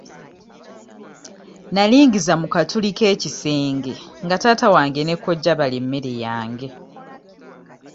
Nalingiza mu katuli k'ekisenge nga taata wange ne kojja balya emmere yange.